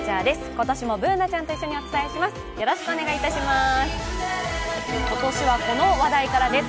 今年もＢｏｏｎａちゃんと一緒にお伝えします。